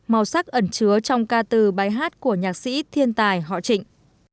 màu sắc ẩn chứa trong ca từ bài hát của nhạc sĩ thiên tài họ trịnh